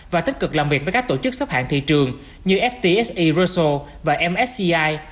và tích cực làm việc với các tổ chức sắp hạng thị trường như ftse russell và msci